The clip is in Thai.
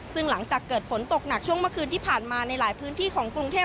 ซึ่งหลังจากเกิดฝนตกหนักช่วงเมื่อคืนที่ผ่านมาในหลายพื้นที่ของกรุงเทพ